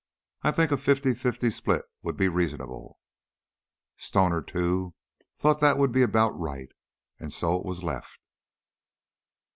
I think a fifty fifty split would be reasonable." Stoner, too, thought that would be about right, and so it was left.